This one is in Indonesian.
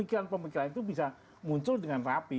itu bisa muncul dengan rapi